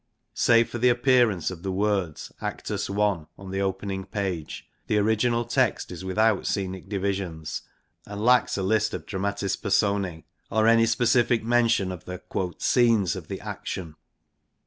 Save for the appearance of the words Actus 1. on the opening page, the original text is without scenic divisions, and lacks a list of Dramatis Persona or any specific mention of the * scenes ' of the action.